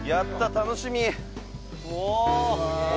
楽しみ！